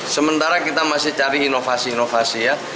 sementara kita masih cari inovasi inovasi ya